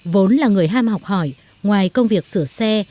vốn là người ham học hỏi ngoài công việc sửa xe